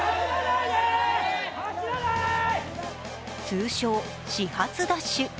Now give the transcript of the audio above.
通称・始発ダッシュ